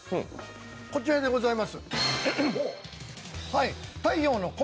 こちらでございます。